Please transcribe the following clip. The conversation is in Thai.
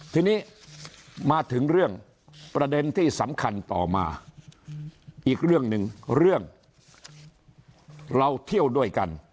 ทีนี้มาถึงเรื่องประเด็นที่สำคัญต่อมาอีกเรื่องหนึ่งเรื่องเราเที่ยวด้วยกัน